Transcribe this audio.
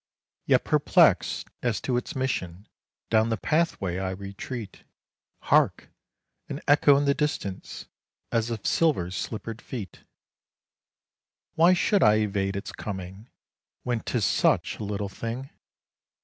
Yet perplexed as to its mission down the pathway I retreat, Hark! an echo in the distance, as of silver slippered feet. Why should I evade its coming, when 'tis such a little thing?